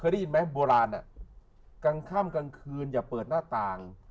เห็นไหมาร์นอะกลางค่ำกลางคืนอย่าเปิดหน้าต่าง